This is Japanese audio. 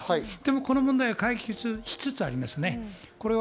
この問題は解決しつつあります。